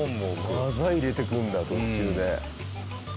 技入れてくるんだ途中で。